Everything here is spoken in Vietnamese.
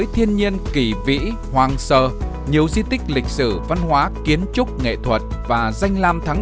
thiên nhiên kỳ vĩ hoang sơ nhiều di tích lịch sử văn hóa kiến trúc nghệ thuật và danh lam thắng